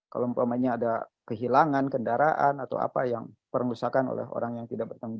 kalau umpamanya ada kehilangan kendaraan atau apa yang permusakan oleh orang yang tidak bertanggung